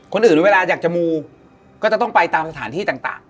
คนอื่นเวลาอยากจะมูก็จะต้องไปตามสถานที่ต่าง